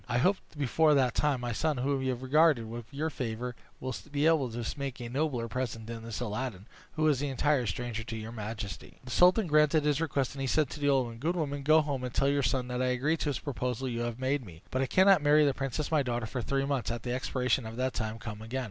I hope before that time my son, whom you have regarded with your favor, will be able to make a nobler present than this Aladdin, who is an entire stranger to your majesty." The sultan granted his request, and he said to the old woman, "Good woman, go home, and tell your son that I agree to the proposal you have made me; but I cannot marry the princess my daughter for three months. At the expiration of that time come again."